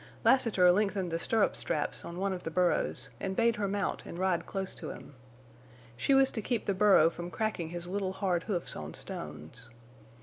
Lassiter lengthened the stirrup straps on one of the burros and bade her mount and ride close to him. She was to keep the burro from cracking his little hard hoofs on stones.